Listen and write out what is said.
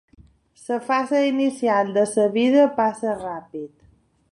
La fase inicial de la vida passa ràpid.